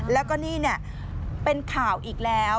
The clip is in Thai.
แล้วก็นี่เป็นข่าวอีกแล้ว